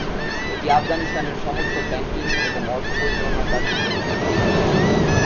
এটি আফগানিস্তানের সমস্ত ব্যাংকিং এবং অর্থ পরিচালনার কার্যক্রম নিয়ন্ত্রণ করে।